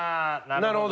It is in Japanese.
なるほど。